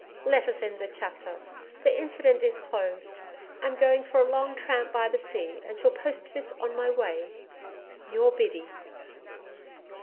Let us end the chapter. The incident is closed, I'm going for a long tramp by the sea and shall post this on my way. Your BIDDY.'